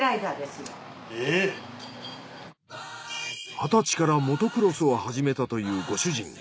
二十歳からモトクロスを始めたというご主人。